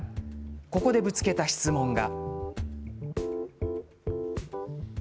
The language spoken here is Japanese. ここでぶつけた質問が。